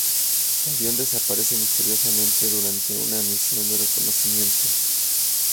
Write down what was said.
Su avión desaparece misteriosamente durante una misión de reconocimiento.